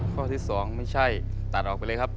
ข้อที่๒ไม่ใช่ตัดออกไปเลยครับ